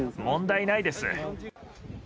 問題ないです。